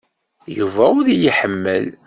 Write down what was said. Yuba ur iyi-iḥemmel.